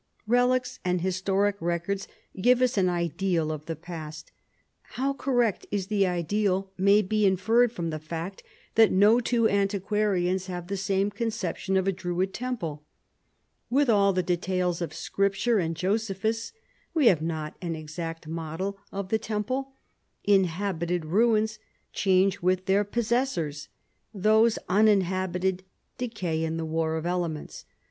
Relics and historic records give us an ideal of the past. How correct is the ideal may be inferred from the fact that no two antiquarians have the same conception of a Druid temple. With all the details of Scripture and Josephus, we have not an exact model of the temple. Inhabited ruins change with their possessors: those uninhabited decay in the war of elements.